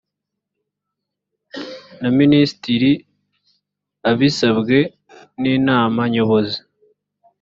na minisitiri abisabwe n inama nyobozi